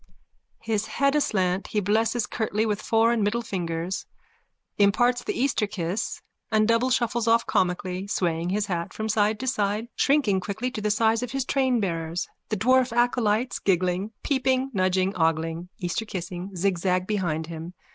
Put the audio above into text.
_(His head aslant he blesses curtly with fore and middle fingers, imparts the Easter kiss and doubleshuffles off comically, swaying his hat from side to side, shrinking quickly to the size of his trainbearers. The dwarf acolytes, giggling, peeping, nudging, ogling, Easterkissing, zigzag behind him.